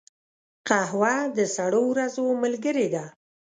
قهوه د سړو ورځو ملګرې ده